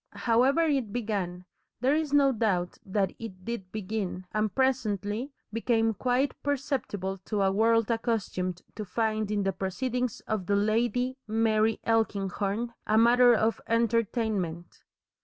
However it began, there is no doubt that it did begin, and presently became quite perceptible to a world accustomed to find in the proceedings of the Lady Mary Elkinghorn a matter of entertainment.